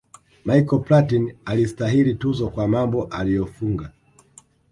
michael platin alistahili tuzo kwa mambo aliyofunga